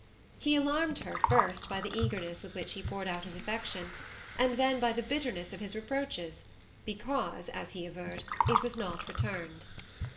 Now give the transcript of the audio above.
He alarmed her, first by the eagerness with which he poured out his affection, and then by the bitterness of his . reproaches because, as he averred, it was not returned.